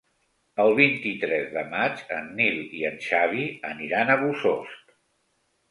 El vint-i-tres de maig en Nil i en Xavi aniran a Bossòst.